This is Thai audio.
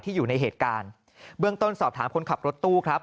อยู่ในเหตุการณ์เบื้องต้นสอบถามคนขับรถตู้ครับ